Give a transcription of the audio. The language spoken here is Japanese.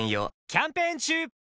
キャンペーン中！